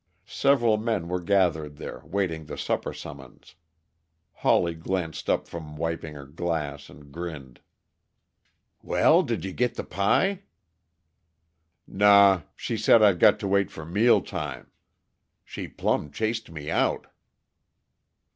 Several men were gathered there, waiting the supper summons. Hawley glanced up from wiping a glass, and grinned. "Well, did you git the pie?" "Naw. She said I'd got to wait for mealtime. She plumb chased me out."